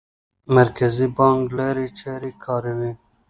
مرکزي بانک لارې چارې کاروي.